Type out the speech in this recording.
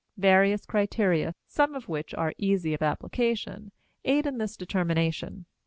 Various criteria, some of which are easy of application, aid in this determination.